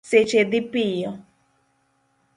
Seche dhi piyo